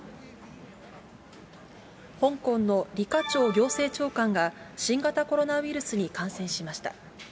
香港の李家超行政長官が、新型コロナウイルスに感染しました。